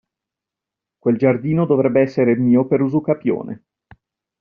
Quel giardino dovrebbe essere mio per usucapione.